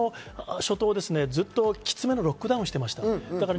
今年の初頭、きつめのロックダウンをしていました。